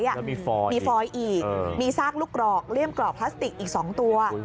แล้วมีฟอยมีฟอยอีกมีซากลูกกรอกเลี่ยมกรอกพลาสติกอีก๒ตัว